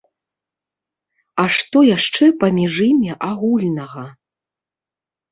А што яшчэ паміж імі агульнага?